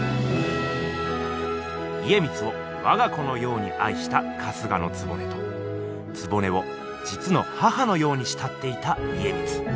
家光をわが子のようにあいした春日局と局をじつの母のようにしたっていた家光。